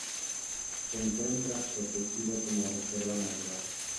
Se encuentra protegido como reserva natural.